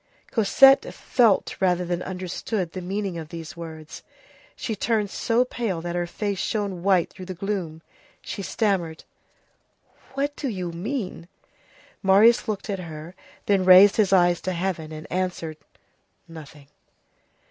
Cosette felt rather than understood the meaning of these words. She turned so pale that her face shone white through the gloom. She stammered:— "What do you mean?" Marius looked at her, then raised his eyes to heaven, and answered: "Nothing."